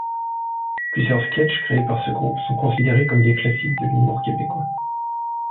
Plusieurs sketchs créés par ce groupe sont considérés comme des classiques de l'humour québécois.